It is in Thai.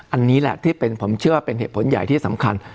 อันนี้แหละที่เป็นผมเชื่อว่าเป็นเหตุผลใหญ่ที่สำคัญ